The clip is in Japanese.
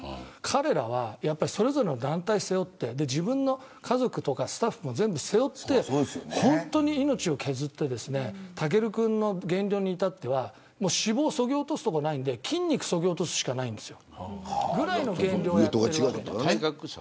彼らはそれぞれの団体を背負って家族やスタッフも全部背負って本当に命を削って武尊君の減量に至っては脂肪をそぎ落とすところないので筋肉をそぎ落とすしかないぐらいの減量をやっている。